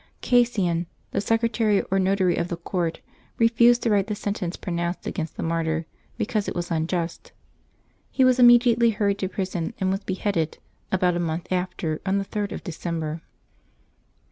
Cassian, the secretary or notary of the court, refused to write the sentence pronounced against the martyr, because it was unjust. He was immediately hurried to prison, and. was beheaded, about a month after, on the 3d of December.